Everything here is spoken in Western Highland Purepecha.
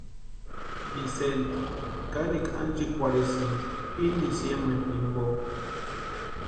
Vicenti kanikwa anchekurhesïnti ini diciembre jimpo.